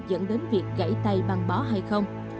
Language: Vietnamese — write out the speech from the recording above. dẫn đến việc gãy tay băng bó hay không